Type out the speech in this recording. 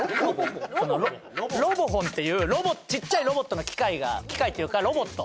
ロボホンっていうちっちゃいロボットの機械が機械っていうかロボット。